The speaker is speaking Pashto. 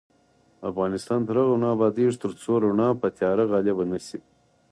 افغانستان تر هغو نه ابادیږي، ترڅو رڼا پر تیاره غالبه نشي.